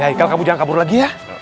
ya haikal kamu jangan kabur lagi ya